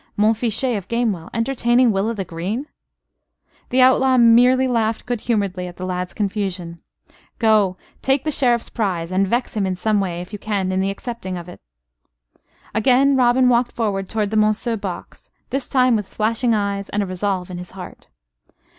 Montfichet of Gamewell entertaining Will o' th' Green! The outlaw merely laughed good humoredly at the lad's confusion. "Go, take the Sheriff's prize; and vex him in some way, if you can, in the accepting of it!" Again Robin walked forward towards the Monceux box; this time with flashing eyes and a resolve in his heart.